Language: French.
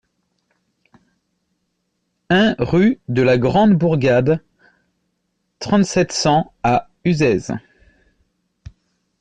un rue de la Grande Bourgade, trente, sept cents à Uzès